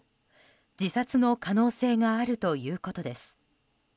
自殺の可能性があるということです。